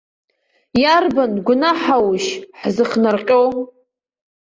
Иарбан гәнаҳаушь ҳзыхнарҟьо?!